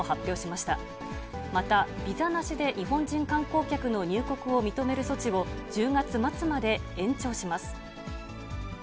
また、ビザなしで日本人観光客の入国を認める措置を１０月末まで延長します。